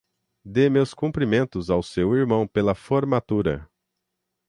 Dê meus cumprimentos ao seu irmão pela formatura.